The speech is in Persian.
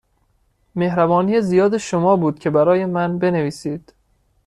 مهربانی زیاد شما بود که برای من بنویسید.